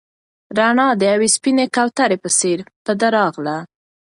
رڼا د یوې سپینې کوترې په څېر په ده راغله.